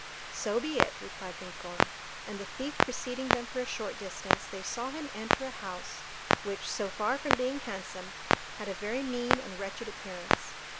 "So be it," replied Rincon; and the thief preceding them for a short distance, they saw him enter a house which, so far from being handsome, had a very mean and wretched appearance.